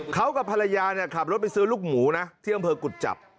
เขากับภรรยาขับรถไปซื้อลูกหมูนะที่อำเภอกุจจับ